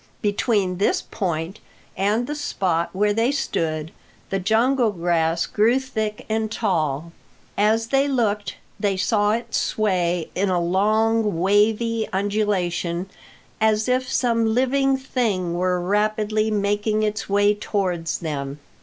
Between this point and the spot where they stood, the jungle grass grew thick and tall. As they looked they saw it sway in a long, wavy undulation, as if some living thing were rapidly making its way towards them.